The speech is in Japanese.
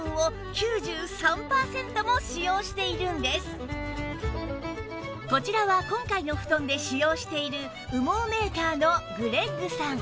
今回の羽毛布団はこちらは今回の布団で使用している羽毛メーカーのグレッグさん